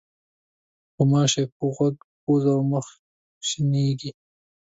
غوماشې په غوږ، پوزه او مخ شېنېږي.